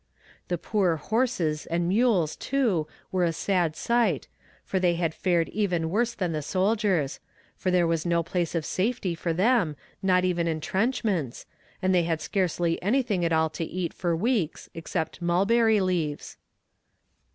The poor horses, and mules, too, were a sad sight, for they had fared even worse than the soldiers for there was no place of safety for them not even entrenchments, and they had scarcely anything at all to eat for weeks, except mulberry leaves.